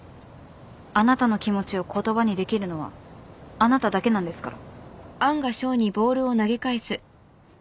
あなたの気持ちを言葉にできるのはあなただけなんですから。